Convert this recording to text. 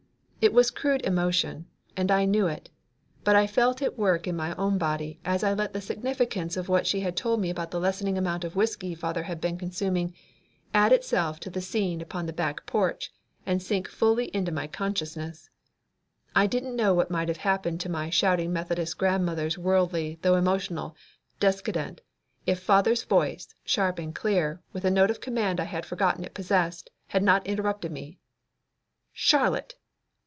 It was crude emotion, and I knew it, but I felt it work in my own body as I let the significance of what she had told me about the lessening amount of whiskey father had been consuming add itself to the scene upon the back porch and sink fully into my consciousness. I don't know what might have happened to my shouting Methodist grandmother's worldly though emotional descendant if father's voice, sharp and clear, with a note of command I had forgotten it possessed, had not interrupted me. "Charlotte!